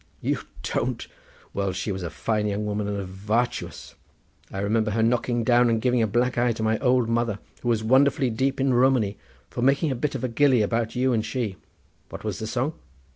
"You don't? Well, she was a fine young woman and a vartuous. I remember her knocking down and giving a black eye to my old mother, who was wonderfully deep in Romany, for making a bit of a gillie about you and she. What was the song?